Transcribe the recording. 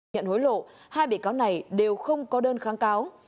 nhận hối lộ hai bị cáo này đều không có đơn kháng cáo